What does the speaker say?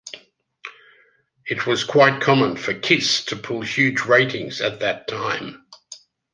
It was quite common for "Kiss" to pull huge ratings at that time.